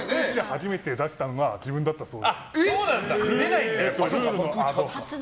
初めて出したのが自分だったんです。